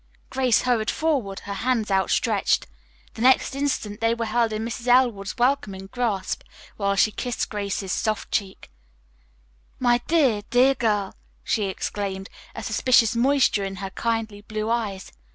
Grace hurried forward, her hands outstretched. The next instant they were held in Mrs. Elwood's welcoming grasp, while she kissed Grace's soft cheek. "My dear, dear girl!" she exclaimed, a suspicious moisture in her kindly blue eyes.